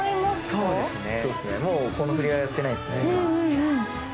そうですね、もうこの振りはやってないですね。